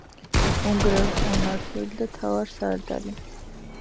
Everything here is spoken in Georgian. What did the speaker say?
უნგრელთა მმართველი და მთავარსარდალი.